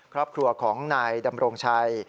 ครอบครัวของนายดำรงชัย